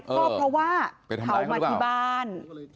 ก็เพราะว่าเขามาที่บ้าน